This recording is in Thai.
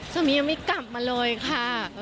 สามียังไม่กลับมาเลยค่ะ